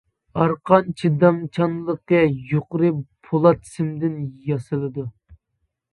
ئارقان چىدامچانلىقى يۇقىرى پولات سىمدىن ياسىلىدۇ.